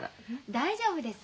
大丈夫です。